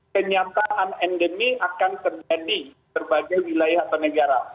kenyataan endemik akan terjadi di berbagai wilayah atau negara